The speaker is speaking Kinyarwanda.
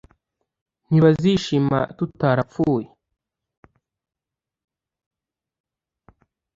ntibazishima tutarapfuye